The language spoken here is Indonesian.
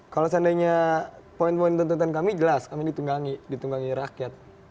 kalau seandainya poin poin tuntutan kami jelas kami ditunggangi ditunggangi rakyat